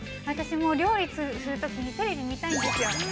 ◆私も料理するときにテレビ見たいんですよ。